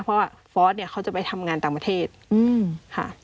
เพราะว่าฟอร์สเนี่ยเขาจะไปทำงานต่างประเทศค่ะ